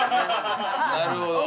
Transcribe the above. なるほど。